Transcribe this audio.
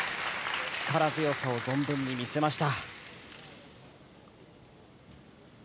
力強さを存分に見せました。